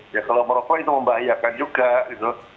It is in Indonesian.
ya kalau merokok itu membahayakan juga gitu